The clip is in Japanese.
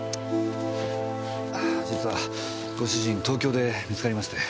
実はご主人東京で見つかりまして。